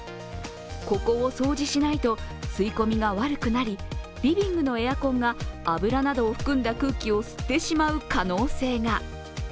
ここを掃除しないと吸い込みが悪くなりリビングのエアコンが油などを含んだ空気を吸ってしまう可能性が。